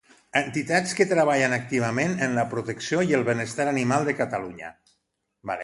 Entitats que treballen activament en la protecció i el benestar animal a Catalunya.